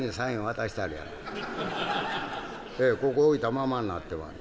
「ええここ置いたままんなってます」。